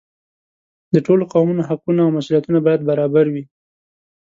د ټولو قومونو حقونه او مسؤلیتونه باید برابر وي.